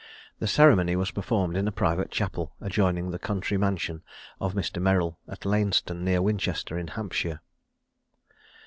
The ceremony was performed in a private chapel adjoining the country mansion of Mr. Merrill, at Lainston, near Winchester, in Hampshire.